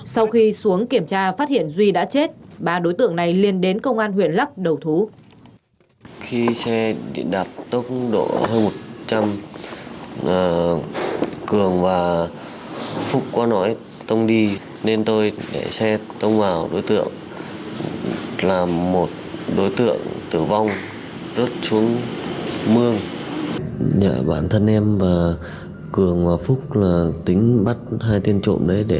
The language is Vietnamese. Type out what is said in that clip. sau khi xuống kiểm tra phát hiện duy đã chết ba đối tượng này liên đến công an huyện lắc đầu thú